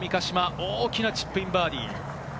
大きなチップインバーディー。